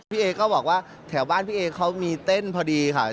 พี่เอก็บอกว่าแถวบ้านพี่เอเขามีเต้นพอดีค่ะ